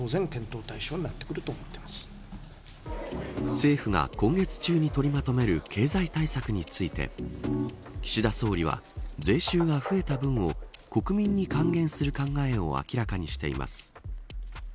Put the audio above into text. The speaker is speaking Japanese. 政府が今月中に取りまとめる経済対策について岸田総理は、税収が増えた分を国民に還元する考えを明らかにしています。